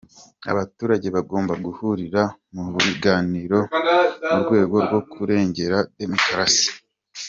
Abaturage bagomba guhurira mu biganiro mu rwego rwo kurengera demokarasi.